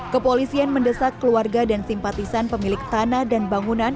kepolisian mendesak keluarga dan simpatisan pemilik tanah dan bangunan